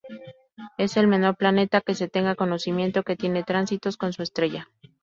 Es el menor planeta que se tenga conocimiento que tiene tránsitos con su estrella.